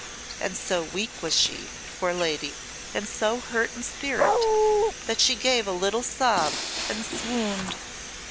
And so weak was she, poor lady, and so hurt in spirit, that she gave a little sob and swooned."